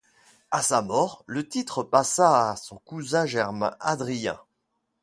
À sa mort, le titre passa à son cousin germain, Adrien.